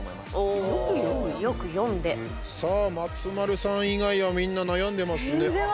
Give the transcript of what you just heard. さあ、松丸さん以外はみんな悩んでますね。